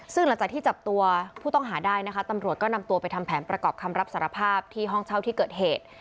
ซึ่งหลังจากที่จับตัวผู้ต้องหาได้นะคะตำรวจก็นำตัวไปทำแผนประกอบคำรับสารภาพที่ห้องเช่าที่เกิดเหตุ